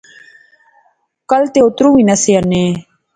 کل تے اتروں وی نہسے اینی